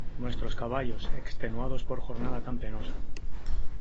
nuestros caballos , extenuados por jornada tan penosa ,